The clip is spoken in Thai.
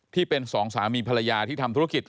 ที่เป็นสองสามีภรรยาที่ทำธุรกิจ